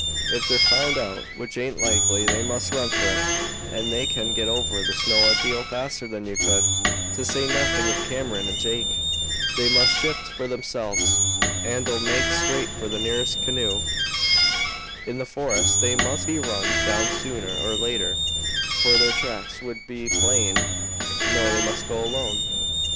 If they're found out, which aint likely, they must run for it, and they can get over the snow a deal faster than you could, to say nothing of Cameron and Jake. They must shift for themselves and 'll make straight for the nearest canoe. In the forest they must be run down sooner or later, for their tracks would be plain. No, they must go alone."